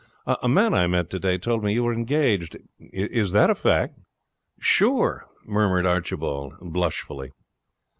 'A man I met today told me you were engaged. Is that a fact?' 'Sure,' murmured Archibald, blushfully.